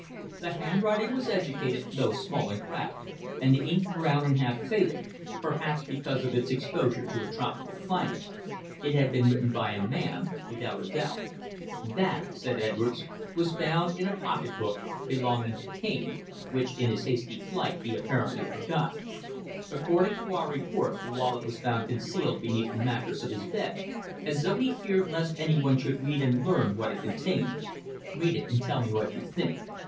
The handwriting was educated, though small and crabbed, and the ink brown and half faded, perhaps because of its exposure to a tropical climate. It had been written by a man, without a doubt. "That," said Edwards, "was found in a pocket book belonging to Cane, which, in his hasty flight, he apparently forgot. According to our report the wallet was found concealed beneath the mattress of his bed, as though he feared lest anyone should read and learn what it contained. Read it, and tell me what you think."